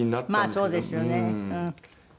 まあそうですよねうん。